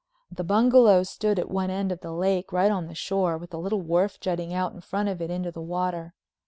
The bungalow stood at one end of the lake right on the shore, with a little wharf jutting out in front of it into the water.